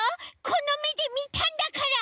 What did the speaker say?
このめでみたんだから！